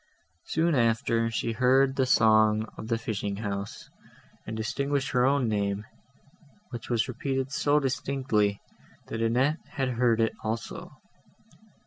Soon after, she heard the song of the fishing house, and distinguished her own name, which was repeated so distinctly, that Annette had heard it also.